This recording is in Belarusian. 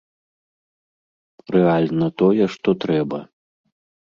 Рэальна тое, што трэба.